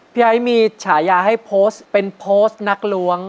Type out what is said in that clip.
ไอ้มีฉายาให้โพสต์เป็นโพสต์นักล้วง